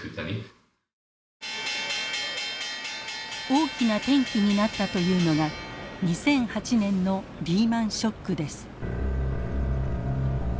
大きな転機になったというのが２００８年のリーマンショックです。